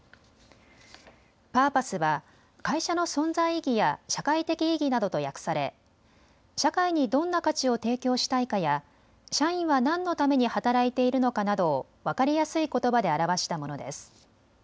パーパスは会社の存在意義や社会的意義などと訳され社会にどんな価値を提供したいかや社員は何のために働いているのかなどを分かりやすいことばで表したものです。